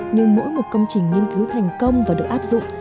nhưng mỗi một công trình nghiên cứu thành công và được áp dụng